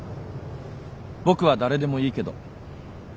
僕は誰でもいいけど。